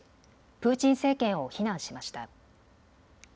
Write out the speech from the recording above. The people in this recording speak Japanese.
プーチン政権を非難しました。